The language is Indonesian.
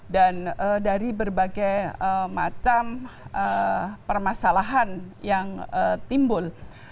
dan dari berbagai macam permasalahan yang timbul